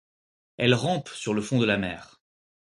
Elle rampe sur le fond de la mer.